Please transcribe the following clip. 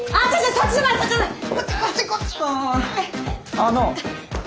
あの。